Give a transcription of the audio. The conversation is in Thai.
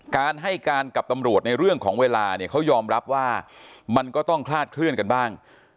การให้การกับตำรวจในเรื่องของเวลาเนี่ยเขายอมรับว่ามันก็ต้องคลาดเคลื่อนกันบ้าง